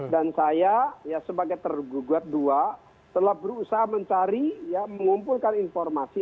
dan saya ya sebagai tergugat dua telah berusaha mencari ya mengumpulkan informasi